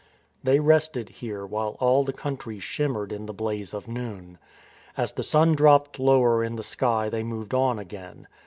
They rested here while all the country shimmered in the blaze of noon. As the sun dropped lower in the sky they moved on again.